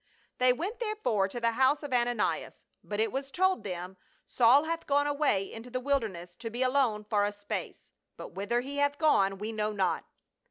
They went therefore to the house of Ananias, but it was told them, " Saul hath gone away into the wilder ness to be alone for a space ; but whither he hath gone we know not."